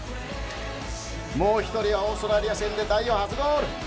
もう１人は、オーストラリア戦で代表初ゴール